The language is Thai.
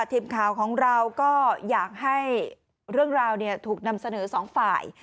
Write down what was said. ทีมข่าวของเราก็อยากให้เรื่องราวถูกนำเสนอสองฝ่าย